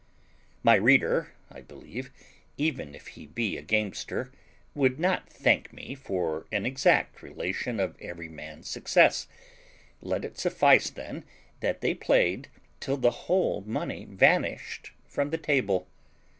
My reader, I believe, even if he be a gamester, would not thank me for an exact relation of every man's success; let it suffice then that they played till the whole money vanished from the table.